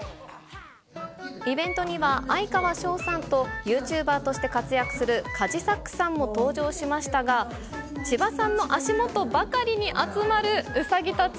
イベントには、哀川翔さんとユーチューバーとして活躍するカジサックさんも登場しましたが、千葉さんの足元ばかりに集まるウサギたち。